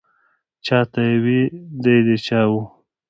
چا ته یې وې دی د چا و.